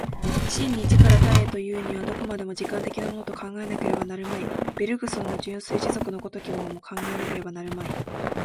真に一から多へというには、どこまでも時間的なものと考えなければなるまい、ベルグソンの純粋持続の如きものを考えなければなるまい。